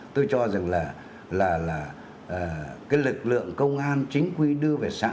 tôi cho rằng là cái lực lượng công an chính quy đưa về xã